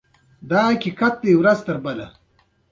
د افغان کرکټ ټیم د نړیوالو سیالیو کې خپل نوم ثبت کړی دی.